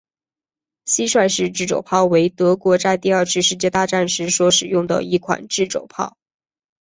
蟋蟀式自走炮为德国在第二次世界大战时所使用的一款自走炮。